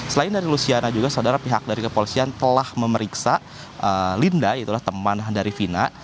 selain dari luciana juga saudara pihak dari kepolisian telah memeriksa linda yaitulah teman dari vina